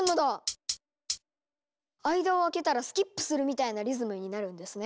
間を空けたらスキップするみたいなリズムになるんですね。